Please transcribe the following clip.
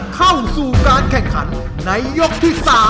เข้าสู่การแข่งขันในยกที่๓